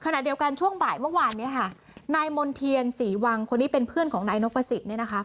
ในเดวการณ์ช่วงบ่ายเมื่อวานนี่นายมนเทียนสี่วังคนนี้เป็นเพื่อนของนายนกภาษิต